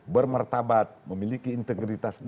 bermertabat memiliki integritas